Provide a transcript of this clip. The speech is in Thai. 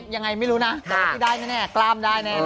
ยังไงไม่รู้นะแต่ว่าที่ได้แน่กล้ามได้แน่